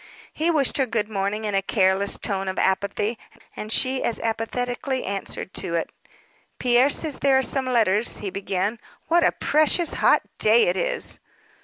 He wished her good morning in a careless tone of apathy, and she as apathetically answered to it. "Pierre says there are some letters," he began. "What a precious hot day it is!"